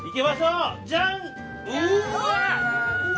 うわ！